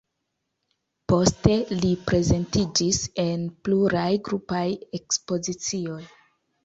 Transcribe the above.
Poste li prezentiĝis en pluraj grupaj ekspozicioj.